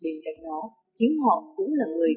bên cạnh đó chính họ cũng là người